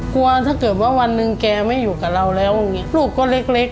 กลัวถ้าเกิดว่าวันหนึ่งแกไม่อยู่กับเราแล้วลูกก็เล็กเล็ก